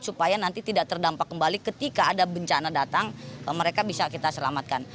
supaya nanti tidak terdampak kembali ketika ada bencana datang mereka bisa kita selamatkan